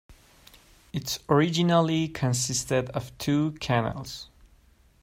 It originally consisted of two canals.